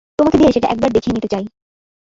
তোমাকে দিয়ে সেটা একবার দেখিয়ে নিতে চাই।